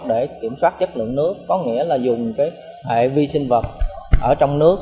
để kiểm soát chất lượng nước có nghĩa là dùng cái hệ vi sinh vật ở trong nước